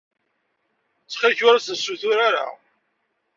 Ttxil-k, ur asen-ssutur ara.